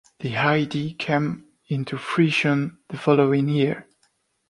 The idea came into fruition the following year.